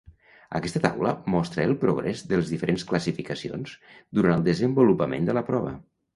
Aquesta taula mostra el progrés de les diferents classificacions durant el desenvolupament de la prova.